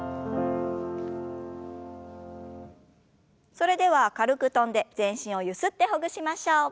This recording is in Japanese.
それでは軽く跳んで全身をゆすってほぐしましょう。